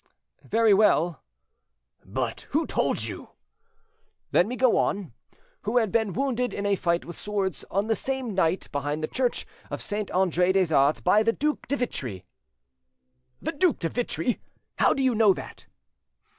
"Very well." "But who told you—?" "Let me go on: who had been wounded in a fight with swords on the same night behind the church of Saint Andre des Arts by the Duc de Vitry." "The Duc de Vitry!—How do you know that?"